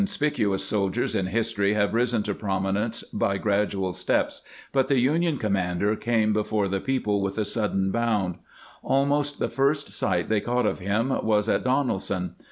grant's place in military history 513 to prominence by gradual steps, but the Union com mander came before the people with a sudden bound. Almost the first sight they caught of him was at Donel son.